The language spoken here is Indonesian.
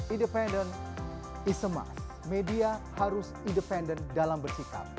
independent is a must media harus independent dalam bersikap